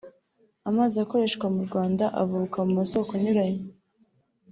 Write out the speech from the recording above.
Amazi akoreshwa mu Rwanda avubuka mu masoko anyuranye